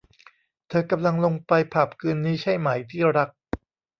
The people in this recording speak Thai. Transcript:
เธอกำลังลงไปผับคืนนี้ใช่ไหมที่รัก ?